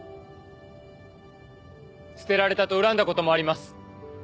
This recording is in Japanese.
捨てられたと恨んだ事もあります。